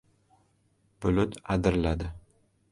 Bulut adirladi.